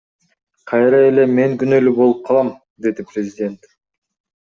Кайра эле мен күнөөлүү болуп калам, — деди президент.